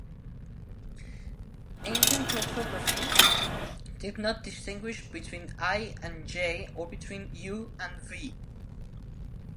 Ancient orthography did not distinguish between "i" and "j" or between "u" and "v".